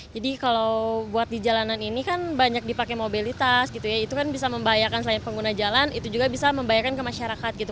jadi kalau buat di jalanan ini kan banyak dipakai mobilitas gitu ya itu kan bisa membahayakan selain pengguna jalan itu juga bisa membahayakan ke masyarakat gitu